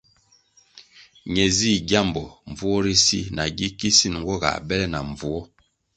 Ne zih gyambo mbvuo ri si na gi kisin nwo ga bele na mbvuo.